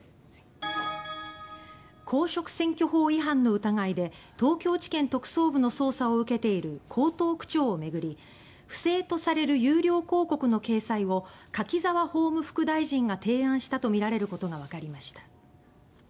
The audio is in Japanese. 公職選挙法違反の疑いで東京地検特捜部の捜査を受けている江東区長を巡り不正とされる有料広告の掲載を柿沢法務副大臣が提案したとみられることがわかりました。